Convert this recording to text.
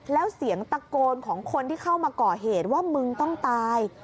แล้วเสียงตะโกนของคนที่เข้ามาก่อเหตุว่ามึงต้องตาย